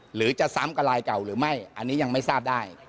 หรือจะซ้ำกับลายเก่าหรือไม่อันนี้ยังไม่ทราบได้